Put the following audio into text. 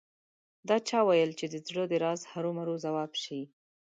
دا چا ویل چې د زړه د راز هرو مرو ځواب شي